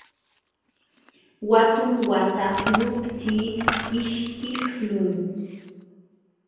Watum wataqluptii ishkiqlun.